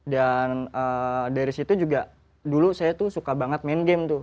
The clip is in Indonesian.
dan dari situ juga dulu saya tuh suka banget main game tuh